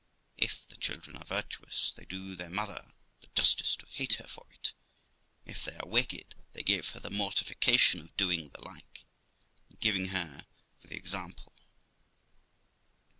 If the children are virtuous, they do their mother the justice to hate her for it; if they are wicked, they give her the mortification of doing the like, and giving her for the example.